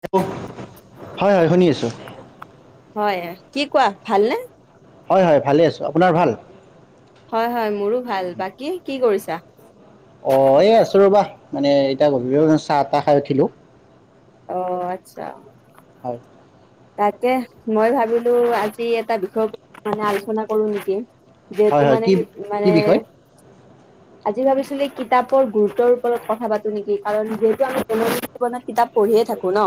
Hello. হয় হয় শুনি আছোঁ। হয়, কি কোৱা ভালনে? হয় হয় ভালে আছোঁ। আপোনাৰ ভাল? হয় হয় মোৰো ভাল। বাকী কি কৰিছাঁ? অহ, এই আছো ৰবা, মানে এতিয়া গধুলবেলাৰ চাহ তাহ খাই উঠিলোঁ। অহ, আচ্ছা। হয়। তাকে মই ভাবিলোঁ আজি এটা বিষয় মানে আলোচনা কৰো নেকি। হয় যিহেতু হয় মানে, কি সেই কি মানে। বিষয় আজি ভাবিছিলোঁ কিতাপৰ গুৰুত্বৰ ওপৰত কথা পাতো নেকি। কাৰণ যিহেতু আমি দৈনন্দিন জীৱনত কিতাপ পঢ়িয়ে থাকো ন।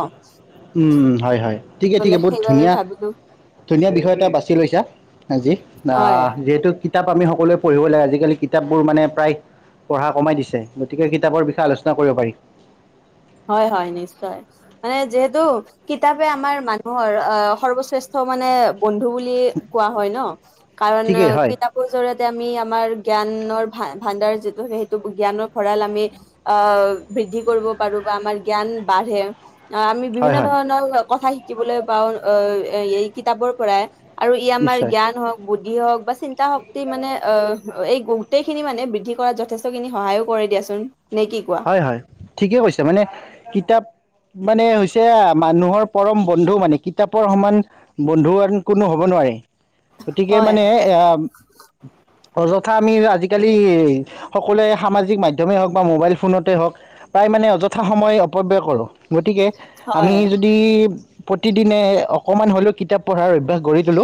উম হয় হয়। ঠিকে ঠিকে বহুত সেইবাবে ধুনীয়া ভাবিলো ধুনীয়া বিষয় এটা বাছি লৈছা, আজি হয় অহ যিহেতু কিতাপ আমি সকলোৱে পঢ়িব লাগে, আজিকালি কিতাপবোৰ মানে প্ৰায় পঢ়া কমাই দিছে, গতিকে কিতাপৰ বিষয়ে আলোচনা কৰিব পাৰি। হয় হয় নিশ্চয় মানে যিহেতু কিতাপে আমাৰ মানুহৰ অহ সৰ্বশ্ৰেষ্ঠ সৰ্বশ্ৰেষ্ঠ মানে বন্ধু বুলি কোৱা হয় ন, কাৰণ ঠিকেই হয় কিতাপৰ জৰিয়তে আমি আমাৰ জ্ঞানৰ ভা-ভাণ্ডাৰ যিটো সেইটো জ্ঞানৰ ভঁৰাল আমি অহ বৃদ্ধি কৰিব পাৰোঁ বা আমাৰ জ্ঞান বাঢ়ে, অহ আমি হয় বিভিন্ন হয় ধৰণৰ কথা শিকিব শিকিবলৈ পাওঁ অহ, এই কিতাপৰ পৰাই আৰু ই আমাৰ নিশ্চয় জ্ঞান হওঁক বুদ্ধি হওঁক বা চিন্তা শক্তি মানে অহ এই গোটেইখিনি মানে বৃদ্ধি কৰাত যথেষ্টখিনি সহায়ো কৰে দিয়াচোন। নে কি কোৱা হয় হয় ঠিকে কৈছা, মানে কিতাপ মানে হৈছে মানুহৰ পৰম বন্ধু মানে কিতাপৰ সমান বন্ধু কোনো হ'ব নোৱাৰে। গতিকে হয় মানে এ অযত কথা আমি আজিকালি সকলোৱে সামাজিক মাধ্যমে হওঁক বা মোবাইল ফোনতেই হওঁক, প্ৰায় মানে অযথা সময় অপব্যয় কৰোঁ গতিকে আমি হয় যদি প্ৰতিদিনে অকমান হ'লেও কিতাপ পঢ়াৰ অভ্যস কৰি তোলো,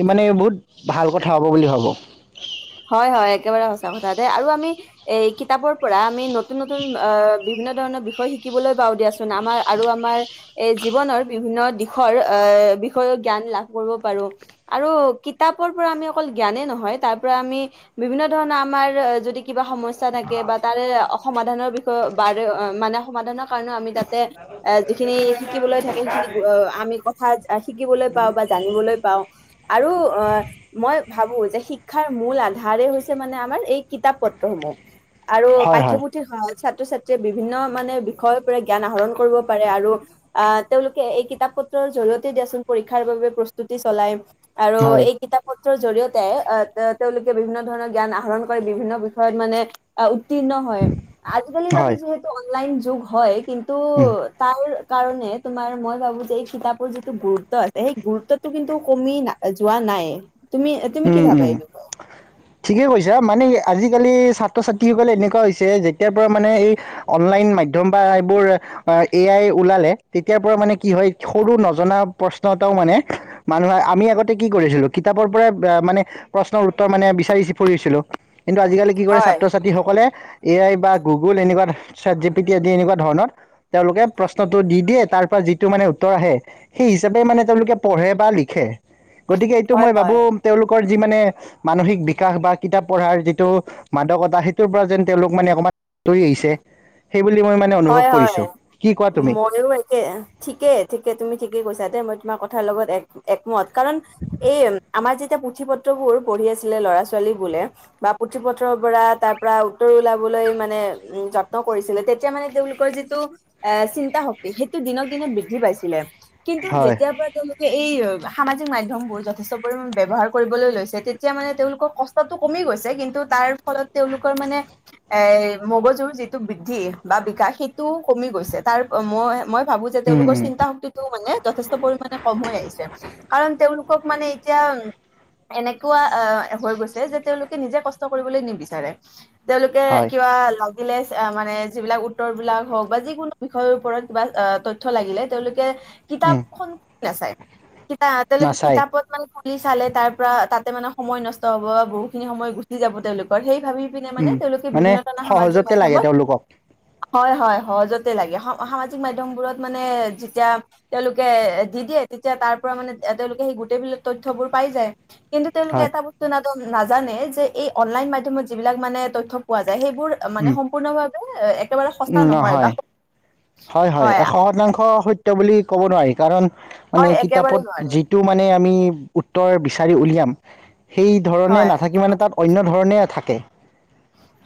ই মানে বহুত ভাল কথা হ'ব বুলি হ'ব। হয় হয় একেবাৰে সঁচা কথা। তে' আৰু আমি এই কিতাপৰ পৰা আমি নতুন নতুন‌ অহ বি বিভিন্ন ধৰণৰ বিষয় শিকিবলৈ পাওঁ দিয়াচোন, আমাৰ আৰু আমাৰ এ জীৱনৰ বিভিন্ন দিশৰ এ বিষয়ে জ্ঞান লাভ কৰিব পাৰোঁ আৰু কিতাপ কিতাপৰ পৰা আমি অকল জ্ঞানে নহয় তাৰ তাৰপৰা আমি বিভিন্ন ধৰণৰ আমাৰ যদি কিবা সমস্যা থাকে বা তাৰে অ সমাধানৰ বিষয়ে বাৰে মানে সমাধানৰ কাৰণেও আমি তাত এ যিখিনি শিকিবলৈ থাকে সেইখিনি অহ আমি কথা শিকিবলৈ পাওঁ বা জানিবলৈ পাওঁ আৰু অ' মই ভাবো যে শিক্ষাৰ মূল আধাৰেই হৈছে মানে আমাৰ এই কিতাপ পত্ৰসমূহ আৰু হয় হয় পাঠ্যপুথিৰ সহা ছাত্ৰ ছাত্ৰীয়ে বিভিন্ন মানে বিষয়ৰ পৰা জ্ঞান আহৰণ কৰিব পাৰে আৰু আহ, তেওঁলোকে এই কিতাপ পত্ৰৰ জৰিয়তে দিয়াচোন পৰীক্ষাৰ বাবে প্ৰস্তুতি চলায়। আৰু হয় এই কিতাপ পত্ৰৰ জৰিয়তে আহ, অহ, তেওঁলোকে বিভিন্ন ধৰণৰ জ্ঞান আহৰণ কৰে, বিভিন্ন বিষয়ত মানে অহ উ উত্তীৰ্ণ হয়। আজিকালি বাৰু হয় যিহেতু অনলাইন যুগ হয় কিন্তু উম তাৰ কাৰণে তোমাৰ মই ভাবোঁ যে এই কিতাপৰ যিটো গুৰুত্ব আছে, সেই গুৰুত্বতটো কিন্তু কমি না যোৱা নাই। তুমি, তুমি কি উম ভাবা উম এইবোৰক? ঠিকে কৈছা মানে আজিকালি ছাত্ৰ-ছাত্ৰীসকলে এনেকুৱা হৈছে যেতিয়াৰ পৰা মানে এই অনলাইন মাধ্যম বা এইবোৰ এ আাই ওলালে। তেতিয়াৰ পৰা মানে কি হয় সৰু নজনা প্ৰশ্ন অ' প্ৰশ্ন এটাও মানে মানুহ আমি আগতে কি কৰিছিলো কিতাপৰ পৰা মানে প্ৰশ্নৰ উত্তৰ মানে বিচাৰি ফুৰিছিলো, কিন্তু আজিকালি কি কৰে হয় ছাত্ৰ ছাত্ৰীসকলে এ আই বা গুগল এনেকুৱা চাত জি পি টি আদি এনেকুৱা ধৰণৰ তেওঁলোকে প্ৰশ্নটো দি দিয়ে তাৰপৰা যিটো মানে উত্তৰ আহে সেই হিচাপে মানে তেওঁলোকে পঢ়ে বা লিখে। গতিকে এইটো হয় মই হয় ভাবোঁ তেওঁলোকৰ যি মানে মানসিক বিকাশ বা কিতাপ পঢ়াৰ যিটো মাদকতা সেইটোৰ পৰা যেন তেওঁলোক মানে অকমান আতৰি আহিছে। সেইবুলি মই মানে অনুভৱ হয়, হয়, কৰিছো কি কোৱা তুমি ময়ো একে, ঠিকে ঠিকে তুমি ঠিকে কৈছা। দে মই কিমান ক তাৰ লগত এক একমত কাৰণ, এই আমাৰ যেতিয়া পুথি পত্ৰবোৰ পঢ়ি আছিলে ল'ৰা ছোৱালী বুল লে বা পুথি পত্ৰৰ পৰা তাৰ পৰা উত্তৰ উলাবলৈ মানে উম, যত্ন কৰিছিলে, তেতিয়া মানে তেওঁলোকৰ যিটো এ চিন্তা শক্তি সেইটো দিনক দিনে বৃদ্ধি পাইছিলে। কিন্তু হয় যেতিয়াৰ পৰা তেওঁলোকে এই সামাজিক মাধ্যমবোৰ যথেষ্ট পৰিমণে ব্যৱহাৰ কৰিবলৈ লৈছে, তেতিয়া মানে তেওঁলোকৰ কষ্টটো কমি গৈছে। কিন্তু তাৰ ফলত তেওঁলোকৰ মানে এই মগজুৰ যিটো বৃদ্ধি বা বিকাশ সেইটো কমি গৈছে, তাৰ ব' মই মই ভাবো যে উম তেওঁলোকৰ উম চিন্তা শক্তিটো মানে, যেষ্ট পৰিে কম হৈ আহিছে। কাৰণ তেওঁলোক কওক মানে এতিয়া এনেকুৱা আহ, হৈ গৈছে যে তেওঁলোকে নিজে কষ্ট কৰিবলৈ নিবিচাৰে। তেওঁলোকে হয় কিবাল লাগিলে চে আহ, মানে যিবিলাক উত্তৰ বিলাক হওঁক বা যিকোনো বিষয়ৰ ওপৰত কিবা আহ, তথ্য লাগিলে তেওঁলোকে উম কিতাপখন নাচাই কিতা তেওঁলোকে নাচাই কিতাপত মানে ফ খুলি চালে, তাৰ পৰা তাতে মানে সময় নষ্ট হ'ব, বহু খিনি সময় গুচি যাব। তেওঁলোকৰ সেই ভাবি পিনে মানে উম তেওঁলোকে মানে বিভিন্ন ধৰণৰ সমাজি সহজতে লাগে তেওঁলোকক। হয়, হয়, সহজতে লাগে স'সামাজিক মধ্যমবোৰত মানে যেতিয়া তেওঁলোকে দি দি য়ে তেতিয়া তাৰ পৰা মানে আ'তেওঁলোকে সেই গোটেই বিলাক তথ্যয়বোৰ পাই যায়। কিন্তু তেওঁলোকে হয় এটা বস্তু নাজান নাজানে যে এই অনলাইন মাধ্যমত যিবিলাক মানে তথ্য পোৱা যায়, সেইবোৰ মানে উম সম্পূৰ্ণভাৱে একেবাৰে সঁচা নহয়, বা হয়, হয়, এশ শতাংশ সত্য বুলি ক'ব নোৱাৰি। কাৰণ মানে হয় একেবাৰে কিতাপত নোৱাৰে যিটো মানে আমি উত্তৰ বিচাৰি উলিয়াম। সেই ধৰণে হয় নাথাকি মানে তাত অন্য ধৰণে থাকে।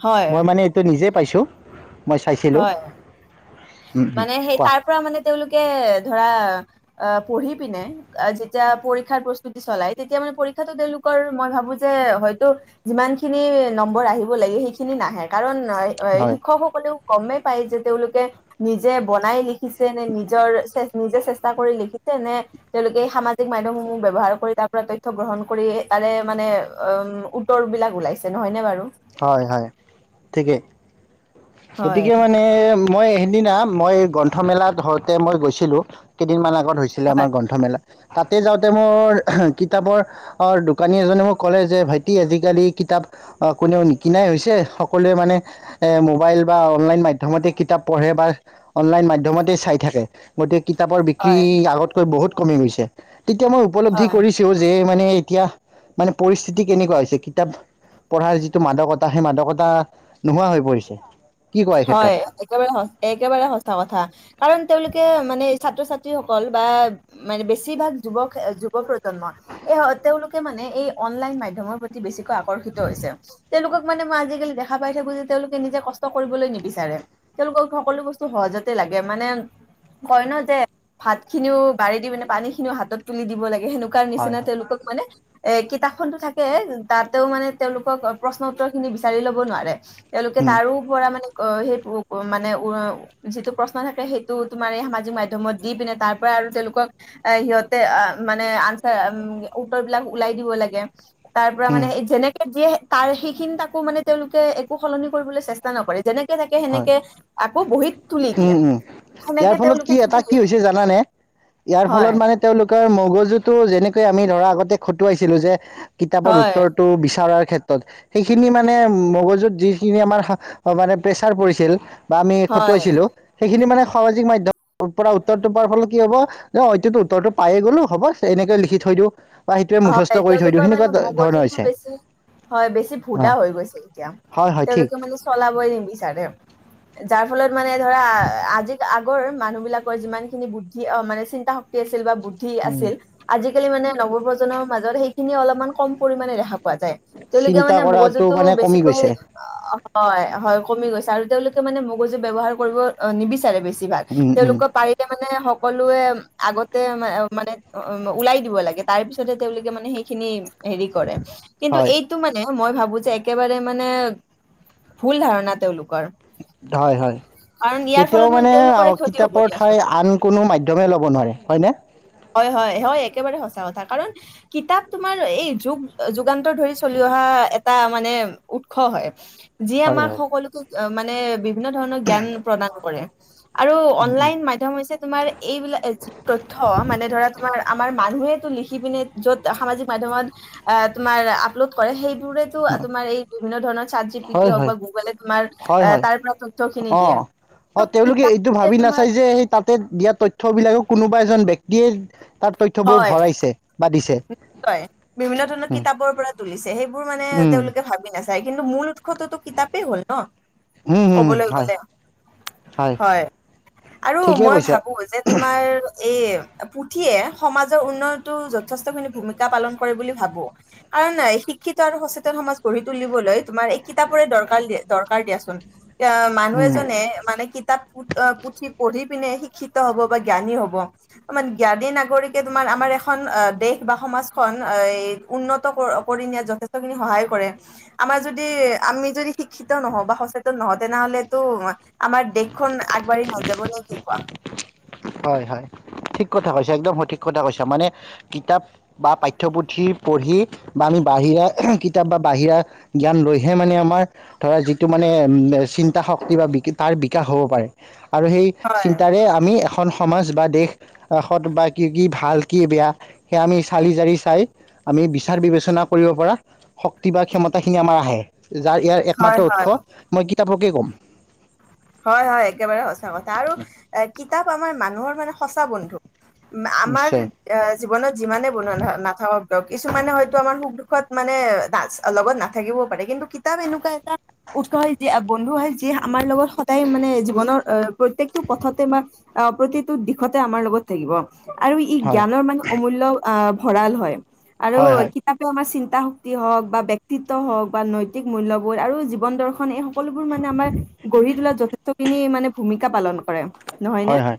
হয় মই মানে এইটো নিজে পাইছোঁ। মই চাইছিলোঁ হয়। মানে সেই কোৱা তাৰ পৰা মানে তেওঁলোকে ধৰা আহ, পঢ়ি পিনে আহ, যেতিয়া পৰীক্ষাৰ প্ৰস্তুতি চলাই তেতিয়া মানে পৰীক্ষাতো তেওঁলোকৰ মই ভাবো যে এ হয়টো যিমানখিনি নম্বৰ আহিব লাগে সেইখিনি নাহে কাৰণ নাই অ' হয় শিক্ষকসকলেও গমেই পাই যে তেওঁলোকে নিজে বনাই লিখিছে নে নিজৰ নিজে চেষ্টা কৰি লিখি তেনে তেওঁলোকে সামাজিক মাধ্যমসমূহ ব্যৱহাৰ কৰি তাৰ পৰা তথ্য গ্ৰহণ কৰিয়ে তাৰে মানে অ' উম, উত্তৰবিলাক ওলাইছে নহয়নে বাৰু? হয়, হয় ঠিকেই। হয় গতিকে মানে মই সেইদিনা মই গ্ৰন্থমেলাত হওঁতে মই গৈছিলোঁ। কেইদিনমান আগত হৈছিলে হয় আমাৰ গ্ৰন্থমেলা। তাতে যাওঁতে মোৰ কিতাপৰ অ' দোকানী এজনে মোক ক'লে যে ভাইটি আজিকালি কিতাপ কোনেও নিকিনাই হৈছে, সকলোৱে মানে এ মোবাইল বা অনলাইন মাধ্যমতে কিতাপ পঢ়ে বা অনলাইন মাধ্যমতেই চাই থাকে। গতিকে, কিতাপৰ বিক্ৰী হয় আগতকৈ বহুত কমি গৈছে, তেতিয়া মই উপলব্ধিৰ হয় কৰিছো যে মানে এতিয়া মানে পৰিস্থিতি কেনেকুৱা হৈছে, কিতাপ পঢ়াৰ টো মাদকতা সেই মাদকতা নোহোৱা হৈ পৰিছে। কি কোৱা এই হয়, ক্ষেত্ৰত? একেবাৰে একেবাৰে সঁচা কথা। কাৰণ তেওঁলোকে মানে ছাত্ৰ ছাত্ৰীসকল বা মানে বেছিভাগ যুৱক যুৱ প্ৰজন্ম। এই তেওঁলোকে মানে এই অনলাইন মাধ্যমৰ প্ৰতি বেছিকৈ আকৰ্ষিত হৈছে। তেওঁলোকক মানে মই আজিকালি দেখ খা পাই থাকো জে তেওঁলোক নিজে কষ্ট কৰিবলৈ নিবিচাৰে। তেওঁলোকক সকলো বস্তু সহজতে লাগে মানে কয় ন যে ভাতখিনিও বাৰী দি মানে পানীখিনিও হাতত তুলি দিব লাগে। সেনেকুৱাৰ হয় নিচিনা হয়। তেওঁলোকক মানে এ কিতাপখনতো থাকে তাতেও মানে তেওঁলোকক প্ৰশ্ন উত্তৰখিনি বিচাৰি ল'ব নোৱাৰে। তেওঁলোকে উম, তাৰো পৰা মানে অ' যিটো প্ৰশ্ন থাকে সেইটো তোমাৰ সামাজিক মাধ্যমত দি পিনে তাৰ আৰু তেওঁলোকক আহ সিহঁতে আহ মানে আনচাৰ উত্তৰ বিলাক উওলাই দিব লাগে। তাৰ পৰা উম, মানে যেনে যিয়ে তাৰ সেইখিনি তাকো মানে তেওঁলোকে একো সলনি কৰিবলৈ চেষ্টা নকৰে। যেনেকে থাকে হয়, সেনেকে আকৌ বহীত তুলি দিয়ে। উম, উম। ইয়াৰ সেনেকে ফলত তেওঁলোকে কি যদি এটা কি হৈছে জানানে? ইয়াৰ হয় ফলত মানে তেওঁলোক মগজুতটো যেনেকে আমি ধৰা আগতে খটুৱাইছিলো যে কিতাপৰ হয় উত্তৰটো বিচৰাৰ ক্ষেত্ৰত। সেইখিনি মানে মগজুত যিখিনি আমাৰ মানে প্ৰেচাৰ পৰিছিল বা আমি হয় খটুৱাইছিলোঁ। সেইখিনি মানে সামাজিক মাধ্যমৰ পৰা উত্তৰটো পোৱাৰ ফলত কি হ'ব যে হয়টো উত্তৰটো পায়েই গ'লো হ'ব এনেকে লিখি থ থৈ দিওঁ। বা সেইটোৱে মুখস্থ হয় কৰি থৈ দিওঁ তেওঁলোকৰ মানে সেনেকুৱা ধৰণৰ মগজুতটো হৈছে। বেছি হয় বেছি অ, ভুদা হৈ গৈছে এতিয়া হয় হয় ঠিক। তেওঁলোকে মানে চলাবই নিবিচাৰে। যাৰ ফলত মানে ধৰা আজি আগৰ মানুহবিলাকৰ যিমানখিনি বুদ্ধি অ' মানে চিন্তা শক্তি আছিল বুদ্ধি উম, আছিল। আজিকালি মানে নৱপ্ৰজন্মৰ মাজত সেইখিন অলপমান কম পৰিমাণে পোৱা যায় তেওঁলোকে চিন্তা মানে কৰাটো মগজুটো মানে কমি বেছিকৈ গৈছে হয়, হয় কমি গৈছে আৰু তেওঁলোকে মানে মগজু ব্যৱহাৰ কৰিব নিবিচাৰে বেছি ভাগ। উম উম তেওঁলোকৰ পাৰিলে মানে সকলোৱে আগতে মানে উ ওলাই দিব লাগে। তাৰ পিছত তেওঁলোকে মানে সেইখিনি হেৰি কৰে। কিন্তু হয় এইটো মানে মই ভাবো যে একেবাৰে মানে ভুল ধাৰণা তেওঁলোক। হয়, হয়। ইয়াৰ কেতিয়াও ফলত মানে তেওঁলোকৰে অ' ক্ষতি হ'ব কিতাপৰ ঠাই দিয়াচোন। আন কোনো মাধম্যমে ল'ব নোৱাৰে হয় নে? হয়, হয়, হয় একেবাৰে সঁচা কথা। কাৰণ কিতাপ তোমাৰ এই যান্তৰ ধৰি চলি অহা এটা মানে উৎস হয়। যিয়ে হয় আমাক হয় সকলো অ', মানে বিভিন্ন ধৰণৰ জ্ঞান প্ৰদান কৰে। আৰু উম উম অনলাইন মাধ্যম হৈছে তোমাৰ এইবিলাক যি তথ্য মানে ধৰা আমাৰ মানুহো লিখি পিনে য'ত সামাজিক মাধ্যত তোমাৰ আপলোড কৰে। টোৰে তোমাৰ এই বিভিন্ন ধৰণৰ ছাত জি পি হয় তি হওঁক হয় বা গুগলে তোমাৰ তাৰ পৰা তথ্যখিনি দিয়ে। অ', ত' তেওঁলোকে কিতাপ এইটো ভাবি তোমাৰ নাচাই যে সেই তাতে দিয়া তথ্য বিলাকে কোনোবাই এজন ব্যক্তিয়ে তাৰ তথ্যবোৰ ভৰাইছে বা দিছে। হয় বিভিন্ন ধৰণৰ উম কিতাপৰ পৰা তুলিছে সেইবোৰ মানে উম তেওঁলোকে ভাবি নাচায়। কিন্তু মূল [unintelligible] কিতাপেই হ'ল ন উম উম ক'বলৈ হয় গ'লে। হয় আৰু ঠিকে মই কৈছা ভাবো যে তোমাৰ এই পুথিয়ে সমাজৰ উন্নয়নতটো যথেষ্টখিনি ভূমিকা পালন কৰে বুলি ভাবো। কাৰণ শিক্ষিত আৰু সচেতন সমাজ গঢ়ি তুলিবলৈ তোমাৰ এই কিতাপ দ-দিয়ে দৰকাৰ দিয়াচোন এ মানুহ উম এজনে মানে কিতাপ পুঠি পঢ়ি পিনে শিক্ষিত হ'ব বা জ্ঞানী হ'ব তোমাৰ জ্ঞানী নাগৰিকে তোমাৰ আমাৰ এখন অ' দেশ কিবা সমাজখন উন্নত কৰি নিয়াত যথেষ্টখিনি সহায় কৰে। আমাৰ যদি আমি যদি শিক্ষিত নহওঁ বা সচেতন নহওঁ তেনেহঁলেতো আমাৰ দেশখন আগবাঢ়ি নাযাব নে কি কোৱা? হয়, হয়। ঠিক কথা কৈছা একদম সঠিক কথা কৈছা মানে কিতাপ বা পাঠ্যপুথি পঢ়ি বা আমি বাহিৰা কিতাপ বা বাহিৰা জ্ঞান লৈ হে মানে আমাৰ ধৰা যিটো মানে শক্তি বা [unintelligible] তাৰ বিকাশ হ'ব পাৰে আৰু সেই হয়, চিন্তাৰে আমি এখন সমাজ বা দেশত বা কি ভাল কি বেয়া সেয়া আমি চালি জাৰি চাই আমি বিচাৰ বিবেচনা কৰিব পৰা শক্তি বা ক্ষমতাখিনি আমাৰ আহে। যাৰ ইয়াৰ একমাত্ৰ হয়, হয়। উৎস মই কিতাপকে ক'ম। হয় হয় একেবাৰে সঁচা কথা আৰু কিতাপ আমাৰ মানুহৰ মানে সঁচা বন্ধু। আমাৰ নিশ্চয় জীৱনত যিমানে [unintelligible] নাথাকক কিছুমানে হয়তো আমাৰ সুখ দুখত মানে না লগত নাথাকিবও পাৰে। কিন্তু কিতাপ এনেকুৱা এটা উৎস হয় যি বন্ধু হয় যি আমাৰ লগত সদায় মানে জীৱনৰ আহ, প্ৰত্যেকটো পথতে বা আহ প্ৰতিটো দিশতে আমাৰ লগত থাকিব আৰু ই হয় জ্ঞানৰ মানে অমূল্য আহ ভৰাল হয় আৰু হয় হয় কিতাপে আমাৰ শক্তি হওক বা ব্যক্তিত্ব হওক বা নৈতিক মূল্যবোধ আৰু জীৱন দৰ্শন এই সকলোবোৰ মানে আমাৰ গঢ়ি তোলা খিনি মানে ভূমিকা পালন কৰে। নহয়নে? হয়, হয়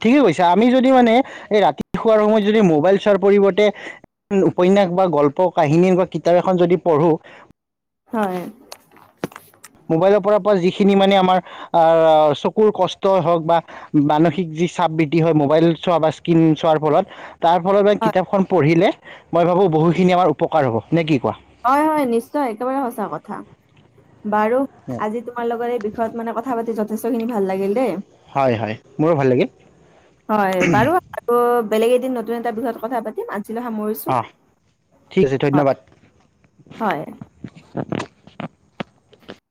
ঠিকে কৈছা আমি যদি মানে এই ৰাতি শোৱাৰ সময়ত যদি মোবাইল চোৱাৰ পৰিৱৰ্তে উপন্যাস বা গল্প কাহিনী কিতাপ এখন যদি পঢ়ো। হয়। মোবাইলৰ পৰা যিখিনি মানে আমাৰ আহ চকুৰ কষ্টই হওঁক বা মানসিক যি চাপ বৃদ্ধি হয় মোবাইল চোৱা বা স্কিন চোৱাৰ ফলত। তাৰ ফলত কিতাপখন পঢ়িলে মই ভাবোঁ বহুখিনি আমাৰ উপকাৰ হ'ব। নে কি কোৱা? হয়, হয় নিশ্চয় একেবাৰে সঁচা কথা। বাৰু আজি তোমাৰ লগৰ এই বিষয়ত মানে কথা পাতি যথেষ্টখিনি ভাল লাগিল দেই। হয়, হয় মোৰো ভাল লাগিল। হয় বাৰু আৰু বেলেগ এদিন নতুন এটা বিষয়ত কথা পাতিম। আজিলৈ সামৰিছোঁ অঁ ঠিক আছে হয়। ধন্যবাদ হয়।